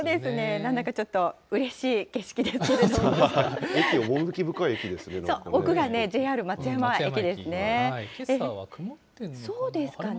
なんだかちょっとうれしい景色ですね。